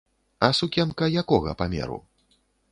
А сукенка якога памеру?